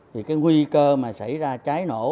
thì cái nguy cơ mà xảy ra cháy nổ